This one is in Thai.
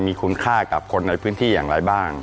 มีคุณค่ากับคนในพื้นที่อย่างไรบ้าง